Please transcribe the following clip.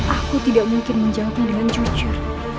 aku tidak mungkin menjawabnya dengan jujur